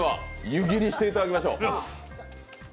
湯切りしていただきましょう。